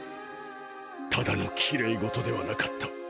ただのきれいごとではなかった。